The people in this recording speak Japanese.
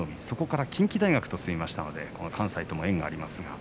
そこから近畿大学と進みましたので関西と縁があります。